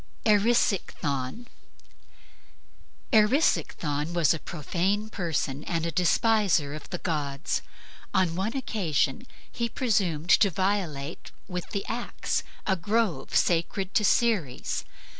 ERISICHTHON Erisichthon was a profane person and a despiser of the gods. On one occasion he presumed to violate with the axe a grove sacred to Ceres.